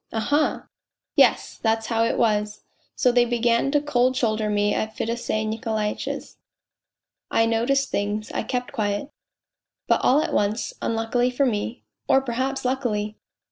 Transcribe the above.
" Aha !"" Yes, that was how it was ! So they began to cold shoulder me at Fedosey Nikolaitch's. I noticed things, I kept q< but all at once, unluckily for me (or perhaps luckily